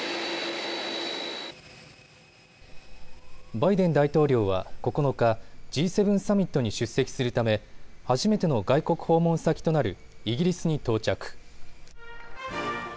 バイデン大統領は９日、Ｇ７サミットに出席するため初めての外国訪問先となるイギリスに到着。